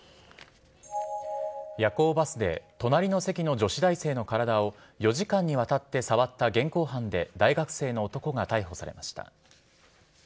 夜行バスで、隣の席の女子大生の体を４時間にわたって触った現行犯で大学生の男が逮捕されました。